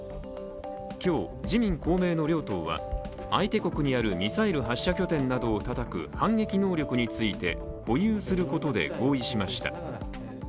今日、自民・公明の両党は相手国にあるミサイル発射拠点などをたたく反撃能力について保有することで合意しました